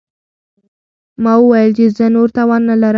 ما وویل چې زه نور توان نه لرم.